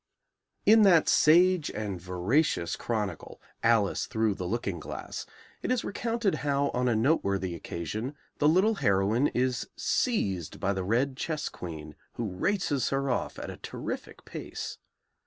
In that sage and veracious chronicle, "Alice Through the Looking Glass," it is recounted how, on a noteworthy occasion, the little heroine is seized by the Red Chess Queen, who races her off at a terrific pace.